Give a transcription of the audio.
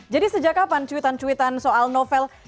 sejak kapan cuitan cuitan soal novel